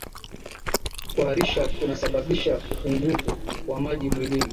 kuharisha kunasababisha upungufu wa maji mwilini